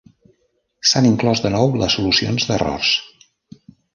S'han inclòs de nou les solucions d'errors.